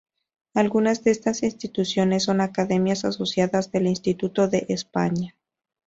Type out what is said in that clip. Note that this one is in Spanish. Algunas de estas instituciones son academias asociadas del Instituto de España.